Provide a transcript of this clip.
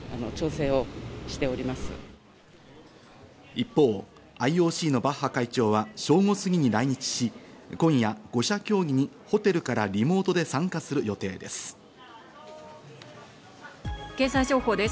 一方、ＩＯＣのバッハ会長は正午すぎに来日し、今夜、５者協議にホテルからリモートで参加する予定です。